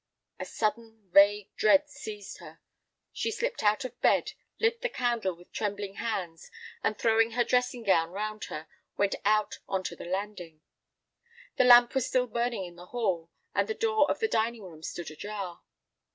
A sudden, vague dread seized her. She slipped out of bed, lit the candle with trembling hands, and throwing her dressing gown round her, went out on to the landing. The lamp was still burning in the hall, and the door of the dining room stood ajar.